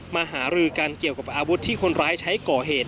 หารือกันเกี่ยวกับอาวุธที่คนร้ายใช้ก่อเหตุ